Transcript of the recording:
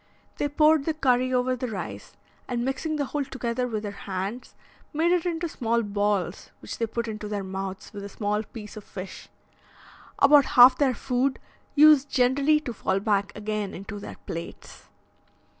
They poured the curry over the rice, and mixing the whole together with their hands, made it into small balls which they put into their mouths with a small piece of fish; about half their food used generally to fall back again into their plates.